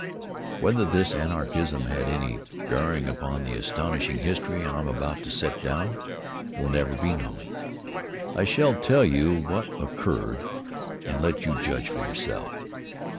Whether this anachronism had any bearing upon the astonishing history I am about to set down will never be known. I shall tell you what occurred, and let you judge for yourself.